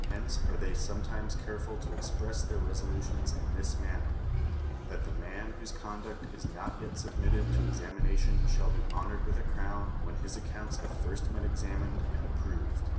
Hence arc they sometimes careful to express their resolutions iu this manner: "that the man v^hose conduct is not yet submiitted to examination shall be hon ored M'ith a crown when his accounts have first been examined and approved."